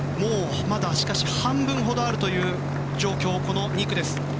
まだ半分ほどあるという状況のこの２区です。